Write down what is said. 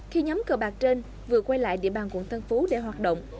khi nhóm cờ bạc trên vừa quay lại địa bàn quận tân phú để hoạt động